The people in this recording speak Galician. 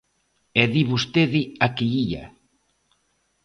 E di vostede a que ía.